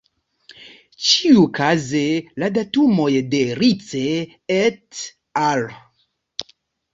Ĉiukaze, la datumoj de Rice "et al.